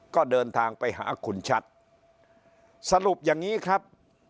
ก็เดินทางไปหาคุณชัดสรุปอย่างนี้ครับ